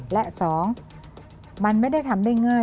และ๒มันไม่ได้ทำได้ง่าย